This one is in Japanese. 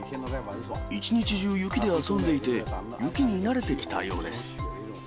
一日中、雪で遊んでいて、雪に慣れてきたようです。